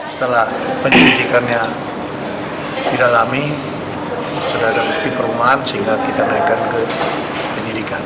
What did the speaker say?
setelah penyelidikannya didalami sudah ada bukti perumahan sehingga kita naikkan ke penyidikan